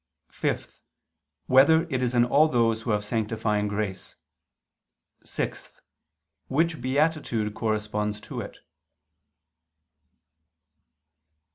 (5) Whether it is in all those who have sanctifying grace? (6) Which beatitude corresponds to it?